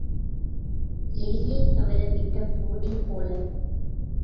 எலியைத் தவற விட்ட பூனை போல.